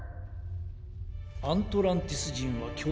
アントランティスじんはきょだ